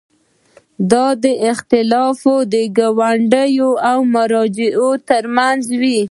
دا اختلاف د کارمندانو او مراجعینو ترمنځ وي.